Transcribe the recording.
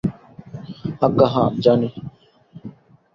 আজ্ঞা হাঁ, জানি।